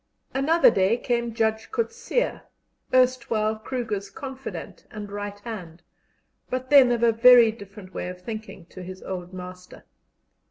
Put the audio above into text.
Another day came Judge Coetzee, erstwhile Kruger's confidant and right hand, but then of a very different way of thinking to his old master.